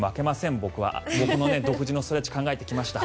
僕の独自のストレッチ考えてきました。